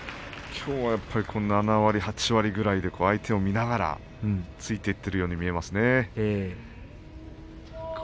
きょうは７割、８割ぐらいで相手を見ながら突いていっているように見えますね。